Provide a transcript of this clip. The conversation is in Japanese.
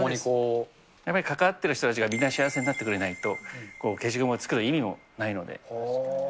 やっぱり関わってる人たちがみんな幸せになってくれないと、消しゴムを作る意味もないので。